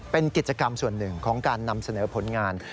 เป็นกิจกรรมส่วนหนึ่งของการนำเสนอผลงาน